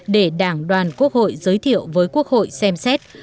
để đảng đoàn quốc hội giới thiệu với quốc hội xem xét